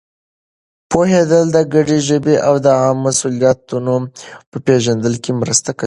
پوهېدل د ګډې ژبې او د عامو مسؤلیتونو په پېژندلو کې مرسته کوي.